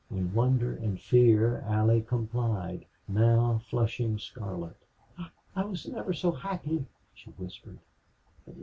In wonder and fear Allie complied, now flushing scarlet. "I I was never so happy," she whispered.